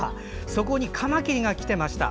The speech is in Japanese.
そこにカマキリが来てました。